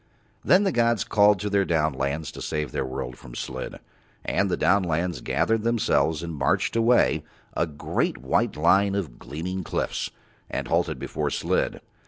Then the gods called to Their downlands to save Their world from Slid, and the downlands gathered themselves and marched away, a great white line of gleaming cliffs, and halted before Slid.